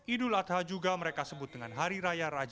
idul adha juga mereka sebut dengan hari raya